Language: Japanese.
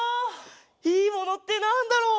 「いいもの」ってなんだろう？